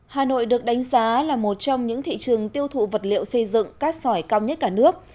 hà nội được đánh giá là một trong những thị trường tiêu thụ vật liệu xây dựng cát sỏi cao nhất cả nước